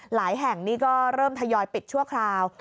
แห่งนี้ก็เริ่มทยอยปิดชั่วคราว